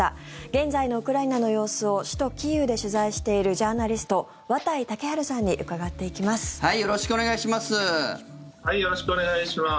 現在のウクライナの様子を首都キーウで取材しているジャーナリスト綿井健陽さんに伺っていきます。